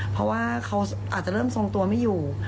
เพราะว่าเขาอาจจะเริ่มทรงตัวไม่อยู่